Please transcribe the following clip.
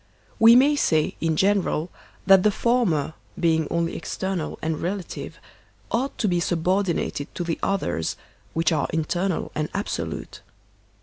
We may say, in general, that the former, being only external and relative, ought to be subordi nated to t±ie others, which are internal and absolute.